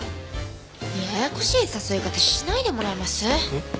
ややこしい誘い方しないでもらえます？